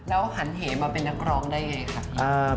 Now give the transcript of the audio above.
แล้วหันเหมาเป็นนักร้องได้ยังไงค่ะ